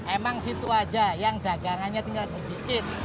emang situ aja yang dagangannya tinggal sedikit